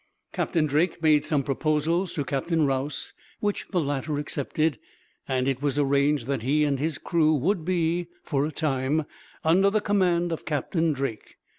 Captain Drake made some proposals to Captain Rause, which the latter accepted, and it was arranged that he and his crew would be, for a time, under the command of Captain Drake.